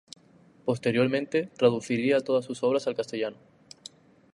Posteriormente traduciría todas sus obras al castellano.